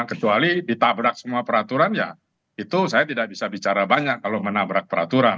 kecuali ditabrak semua peraturan ya itu saya tidak bisa bicara banyak kalau menabrak peraturan